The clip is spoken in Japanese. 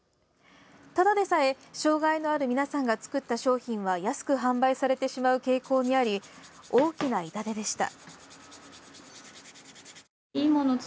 ただでさえ障害のある皆さんが作った商品は安く販売されてしまう傾向にあり大きな痛手でした。